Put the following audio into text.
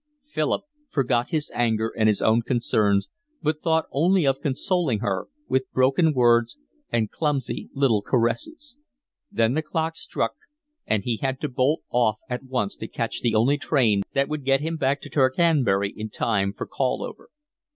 Philip forgot his anger and his own concerns, but thought only of consoling her, with broken words and clumsy little caresses. Then the clock struck, and he had to bolt off at once to catch the only train that would get him back to Tercanbury in time for call over.